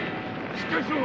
しっかりしろ！